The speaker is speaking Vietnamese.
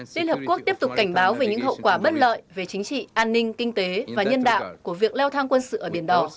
liên hợp quốc tiếp tục cảnh báo về những hậu quả bất lợi về chính trị an ninh kinh tế và nhân đạo của việc leo thang quân sự ở biển đỏ